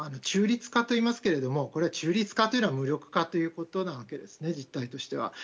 中立化といいますけれどもこの中立化というのは無力化ということなわけですね実態としては。